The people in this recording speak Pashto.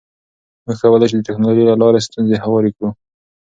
موږ کولی شو د ټکنالوژۍ له لارې ستونزې هوارې کړو.